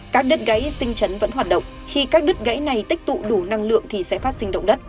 các đất gãy sinh chấn vẫn hoạt động khi các đứt gãy này tích tụ đủ năng lượng thì sẽ phát sinh động đất